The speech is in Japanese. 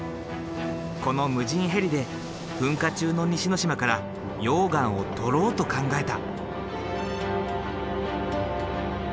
この無人ヘリで噴火中の西之島から溶岩を採ろうと考えた。